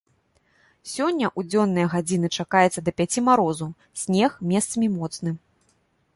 Сёння ў дзённыя гадзіны чакаецца да пяці марозу, снег, месцамі моцны.